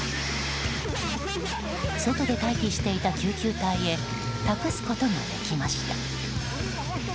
外で待機していた救急隊へ託すことができました。